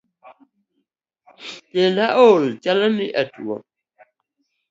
Denda ool, chalo ni atuo